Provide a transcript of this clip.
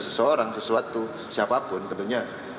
seseorang sesuatu siapapun tentunya